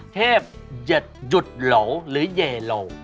เทพหยุดโหลหรือเยโหล